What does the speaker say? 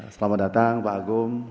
selamat datang pak agung